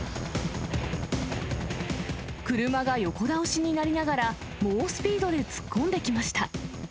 車が横倒しになりながら、猛スピードで突っ込んできました。